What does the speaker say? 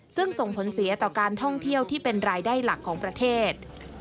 ซึ่งส่งผลเสียต่อการท่องเที่ยวที่เป็นรายได้หลักของประเทศ